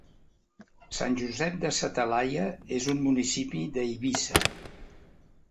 Sant Josep de sa Talaia és un municipi d'Eivissa.